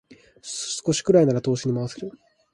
少しくらいなら投資に回せる